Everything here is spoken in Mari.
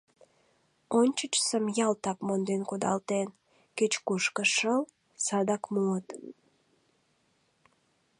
Ончычсым ялтак монден кудалтен: кеч-кушко шыл — садак муыт.